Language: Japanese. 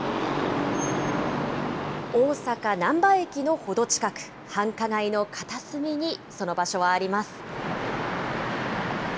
大阪・難波駅の程近く、繁華街の片隅にその場所はあります。